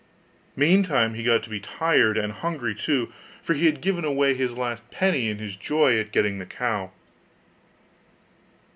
Meantime he began to be tired, and hungry too, for he had given away his last penny in his joy at getting the cow.